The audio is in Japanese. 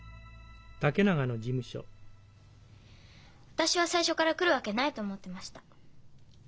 私は最初から来るわけないと思ってました。